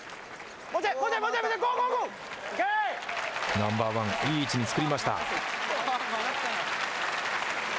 ナンバーワン、いい位置に作りました。